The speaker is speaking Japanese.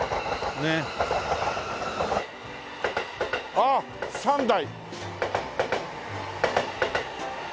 あっ３台！